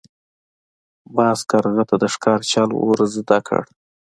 باز کارغه ته د ښکار چل ور زده کړ.